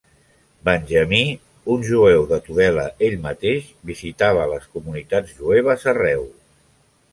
Benjamí, un jueu de Tudela ell mateix, visitava les comunitats jueves arreu.